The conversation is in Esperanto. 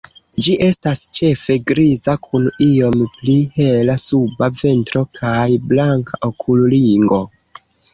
Ĝi estas ĉefe griza, kun iom pli hela suba ventro kaj blanka okulringo.